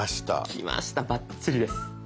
きましたバッチリです。